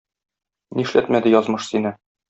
Нишләтмәде язмыш сине.